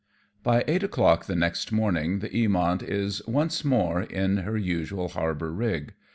By eight o'clock the next morning, the Eamont is once more in her usual harbour rig.